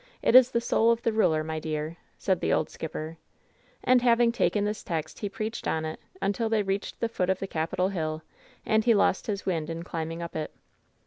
It is the soul of the ruler, my dear,'' said the old skipper; and having taken this text he preached on it until they reached the foot of the Capitol Hill, and he lost his wind in climbing up it.